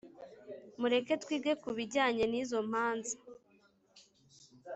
Mureke twige kubijyanye nizo mpanza